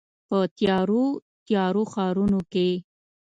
په تیارو، تیارو ښارونو کې